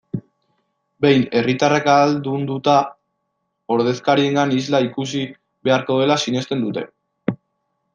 Behin herritarrak ahaldunduta, ordezkariengan isla ikusi beharko dela sinesten dute.